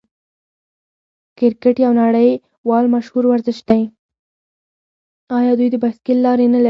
آیا دوی د بایسکل لارې نلري؟